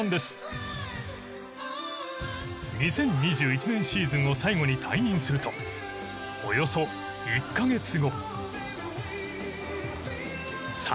２０２１年シーズンを最後に退任するとおよそ１カ月後。